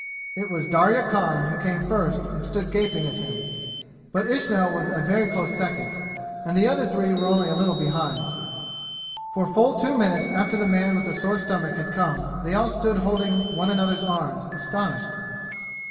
It was Darya Khan who came first and stood gaping at him, but Ismail was a very close second, and the other three were only a little behind. For full two minutes after the man with the sore stomach had come they all stood holding one another's arms, astonished.